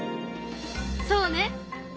そうね。